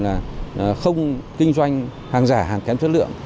là không kinh doanh hàng giả hàng kém chất lượng